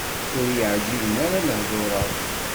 Ur yi-εǧiben ara lehdur-a.